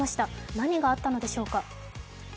何があったのでしょうか。